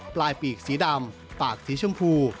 ปลายปีกสีดำปากสีชมพู